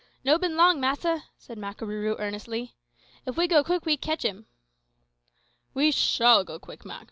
"No been long, massa," said Makarooroo earnestly. "If we go quick we ketch 'im." "We shall go quick, Mak.